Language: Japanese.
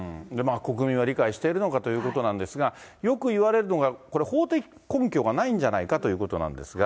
国民は理解しているのかということなんですが、よく言われるのが、これ、法的根拠がないんじゃないかということなんですが。